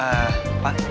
apa yang belum